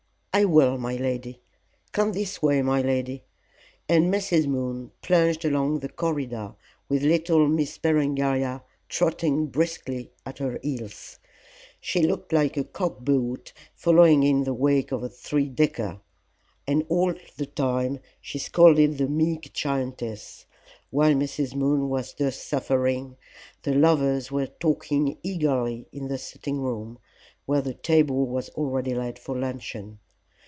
"I will, my lady. Come this way, my lady," and Mrs. Moon plunged along the corridor with little Miss Berengaria trotting briskly at her heels. She looked like a cock boat following in the wake of a three decker. And all the time she scolded the meek giantess. While Mrs. Moon was thus suffering, the lovers were talking eagerly in the sitting room, where the table was already laid for luncheon.